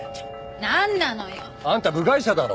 なんなのよ！あんた部外者だろ！